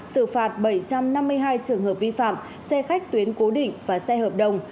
xử phạt bảy trăm năm mươi hai trường hợp vi phạm xe khách tuyến cố định và xe hợp đồng